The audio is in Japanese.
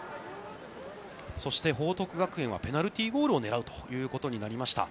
そして、報徳学園はペナルティーゴールをねらうということになりました。